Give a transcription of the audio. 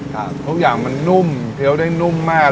ทุกอย่างมันนุ่มเคี้ยวได้นุ่มมาก